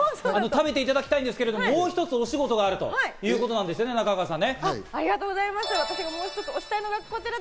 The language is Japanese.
食べていただきたいんですけど、もう一つ推しゴトがあるということなんですね、中川さん。